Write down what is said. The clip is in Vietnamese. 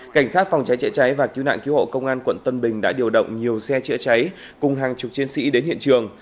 cảnh sát phòng cháy chữa cháy và cứu nạn cứu hộ công an quận tân bình đã điều động nhiều xe chữa cháy cùng hàng chục chiến sĩ đến hiện trường